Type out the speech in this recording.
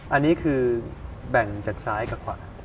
อันนี้คือแบ่งจากซ้ายกับขวา